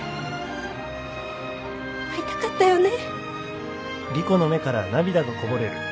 会いたかったよね。